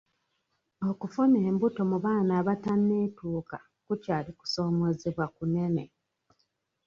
Okufuna embuto mu baana abatanneetuuka kukyali kusoomozebwa kunene.